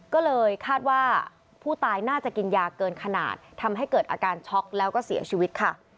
ก็เลยคาดว่าผู้ตายน่าจะกินยาเกินขนาดทำให้เกิดอาการช็อกแล้วก็เสียชีวิตค่ะ